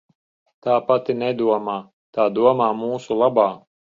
Tā pati nedomā, tā domā mūsu labā.